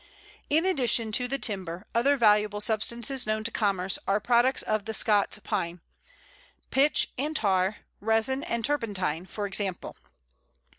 In addition to the timber, other valuable substances known to commerce are products of the Scots Pine pitch and tar, resin and turpentine, for example.